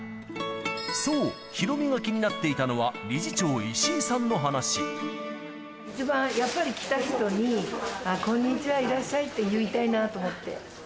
そう、ヒロミが気になっていたのは、理事長、一番やっぱり来た人に、こんにちは、いらっしゃいって言いたいなと思って。